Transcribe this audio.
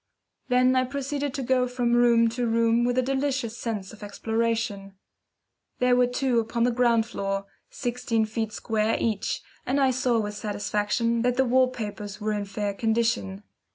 Then I proceeded to go from room to room with a delicious sense of exploration. There were two upon the ground floor, sixteen feet square each, and I saw with satisfaction that the wall papers were in fair condition.